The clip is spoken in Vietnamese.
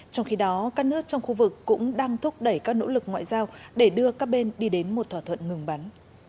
trong khi đó các nước trong khu vực cũng đang thúc đẩy các nỗ lực ngoại giao để đưa các bên đi đến một thỏa thuận ngừng bắn